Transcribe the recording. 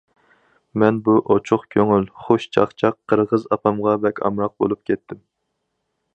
مەن بۇ ئوچۇق كۆڭۈل خۇش چاقچاق قىرغىز ئاپامغا بەك ئامراق بولۇپ كەتتىم.